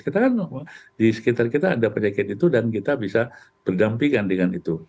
kita kan di sekitar kita ada penyakit itu dan kita bisa berdampingan dengan itu